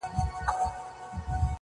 څوك به راسي د ايوب سره ملګري،